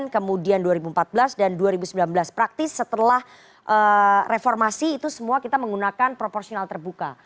kemudian dua ribu empat belas dan dua ribu sembilan belas praktis setelah reformasi itu semua kita menggunakan proporsional terbuka